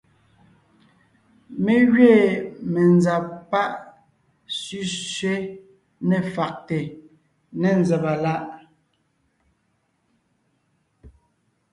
Mé gẅiin menzab pá sẅísẅé ne fàgte ne nzàba láʼ.